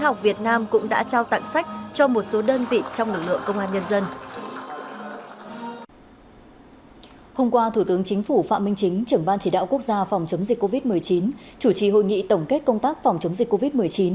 hôm qua thủ tướng chính phủ phạm minh chính trưởng ban chỉ đạo quốc gia phòng chống dịch covid một mươi chín chủ trì hội nghị tổng kết công tác phòng chống dịch covid một mươi chín